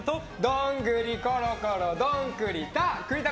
どんぐりころころどん栗田！